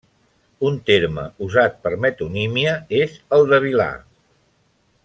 Un terme usat per metonímia és el de vilà.